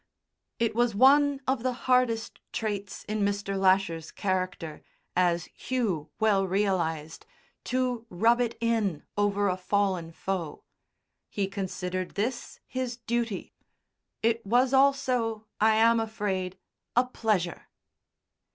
It was one of the hardest traits in Mr. Lasher's character, as Hugh well realised, "to rub it in" over a fallen foe. He considered this his duty; it was also, I am afraid, a pleasure.